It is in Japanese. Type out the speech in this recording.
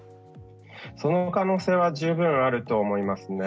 その可能性は十分あると思いますね。